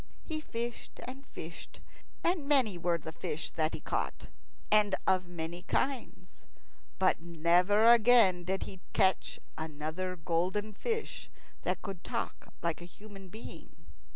He fished and fished, and many were the fish that he caught, and of many kinds; but never again did he catch another golden fish that could talk like a human being.